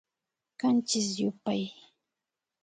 Kanchis yupay